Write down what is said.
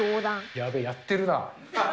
やべぇ、やってるな。